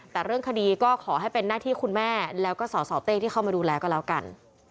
แต่เรื่องคดีก็ขอให้เป็นหน้าที่คุณแม่แล้วก็สสเต้ที่เข้ามาดูแลก็แล้วกัน